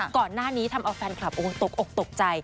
ก่อนหน้านี้ทำเอาแฟนคลับตกอกตกใจ